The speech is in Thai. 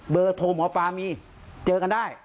เบอร์โทรหมอป้ามีเจอกันได้